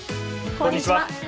こんにちは。